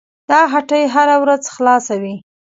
دا هټۍ هره ورځ خلاصه وي.